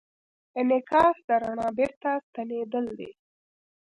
انعکاس د رڼا بېرته ستنېدل دي.